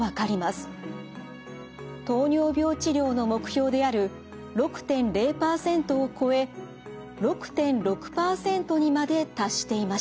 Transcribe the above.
糖尿病治療の目標である６．０％を超え６．６％にまで達していました。